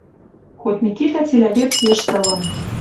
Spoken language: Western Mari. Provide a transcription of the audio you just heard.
Хоть Микитӓ цилӓ верц йыштылын.